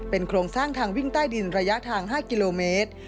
โครงสร้างทางวิ่งใต้ดินระยะทาง๕กิโลเมตร